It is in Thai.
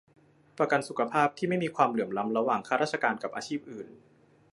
ประกันสุขภาพที่ไม่มีความเหลื่อมล้ำระหว่างข้าราชการกับอาชีพอื่น